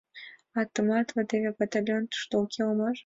А... тымарте тиде батальон тушто уке улмаш?